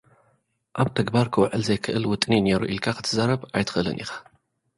ኣብ ተግባር ክውዕል ዘይክእል ውጥን'ዩ ነይሩ ኢልካ ክትዛረብ ኣይትኽእልን ኢኻ።